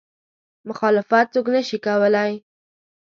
مخالفت څوک نه شي کولی.